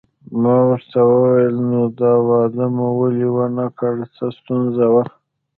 ما ورته وویل: نو واده مو ولې ونه کړ، څه ستونزه وه؟